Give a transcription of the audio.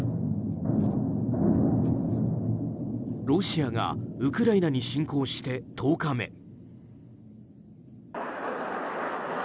ロシアがウクライナに侵攻して１０日目。